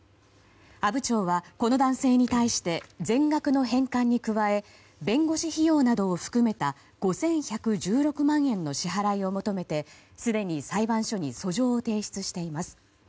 阿武町は、この男性に対して全額の返還に加え弁護士費用などを含めた５１１６万円の支払いを求めてすでに裁判所に訴状を提出しています。